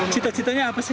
cita citanya apa sih